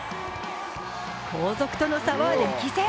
後続との差は歴然。